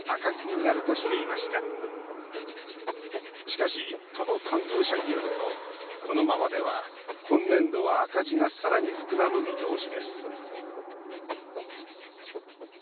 しかし都の担当者によるとこのままでは今年度は赤字がさらに膨らむ見通しです